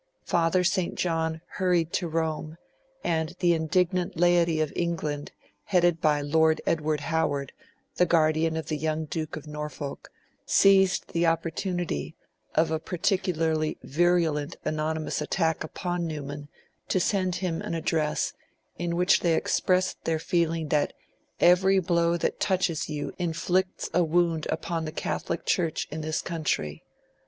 Father St. John hurried to Rome and the indignant laity of England, headed by Lord Edward Howard, the guardian of the young Duke of Norfolk, seized the opportunity of a particularly virulent anonymous attack upon Newman, to send him an address in which they expressed their feeling that 'every blow that touches you inflicts a wound upon the Catholic Church in this country'.